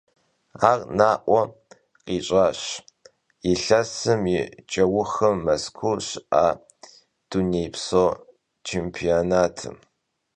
Ar na'ue khiş'aş yilhesım yi ç'euxım Mezkuu şı'a dunêypso çêmpionatım.